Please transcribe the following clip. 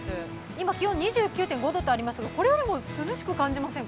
今、気温２９．５度とありますが、これよりも涼しく感じませんか？